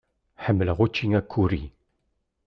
Ḥemmleɣ učči akuri.